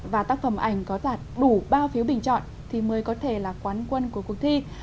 và tác phẩm ảnh có đạt đủ bao phiếu bình chọn thì mới có thể là quán quân của cuộc thi